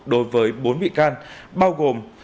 đối với bốn bị can bao gồm